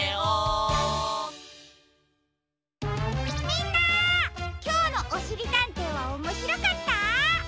みんなきょうの「おしりたんてい」はおもしろかった？